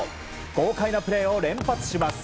豪快なプレーを連発します。